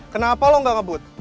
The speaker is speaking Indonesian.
kenapa lo gak ngebut